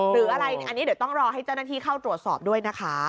หรืออะไรอันนี้เดี๋ยวต้องรอให้เจ้าหน้าที่เข้าตรวจสอบด้วยนะคะ